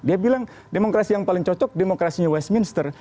dia bilang demokrasi yang paling cocok demokrasinya westminster